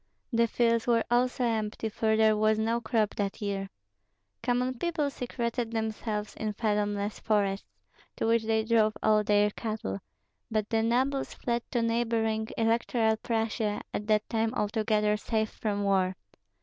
The fields were also empty, for there was no crop that year. Common people secreted themselves in fathomless forests, to which they drove all their cattle; but the nobles fled to neighboring Electoral Prussia, at that time altogether safe from war.